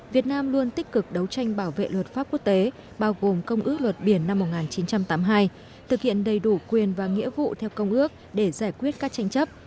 việt nam luôn tích cực đấu tranh bảo vệ luật pháp quốc tế bao gồm công ước luật biển năm một nghìn chín trăm tám mươi hai thực hiện đầy đủ quyền và nghĩa vụ theo công ước để giải quyết các tranh chấp